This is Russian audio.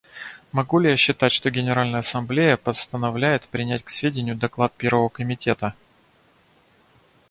Могу ли я считать, что Генеральная Ассамблея постановляет принять к сведению доклад Первого комитета?